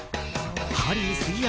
ハリー杉山